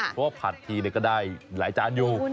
เพราะว่าผัดทีก็ได้หลายจานอยู่